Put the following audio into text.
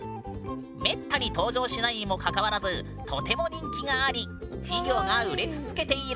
めったに登場しないにもかかわらずとても人気がありフィギュアが売れ続けている。